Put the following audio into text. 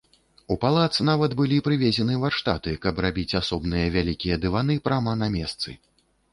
У палац нават былі прывезены варштаты, каб рабіць асобныя вялікія дываны прама на месцы.